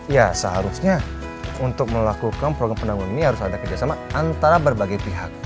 ya seharusnya untuk melakukan program penangguhan ini harus ada kerjasama antara berbagai pihak